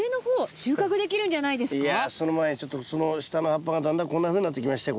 いやその前にちょっとその下の葉っぱがだんだんこんなふうになってきましたよ。